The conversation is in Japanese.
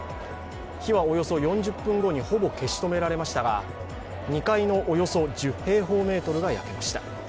火はおよそ４０分後にほぼ消し止められましたが２階のおよそ１０平方メートルが焼けました。